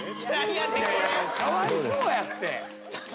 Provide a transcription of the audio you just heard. かわいそうやって。